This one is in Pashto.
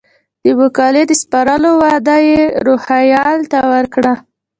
د مقالې د سپارلو وعده یې روهیال ته وکړه.